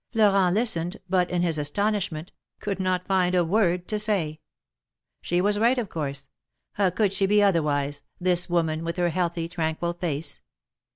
Florent listened, but in his astonishment, could not find a word to ^ay. She was right, of course ; how could she be otherwise, this woman, with her healthy, tranquil face?